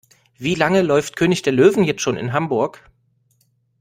Wie lange läuft König der Löwen jetzt schon in Hamburg?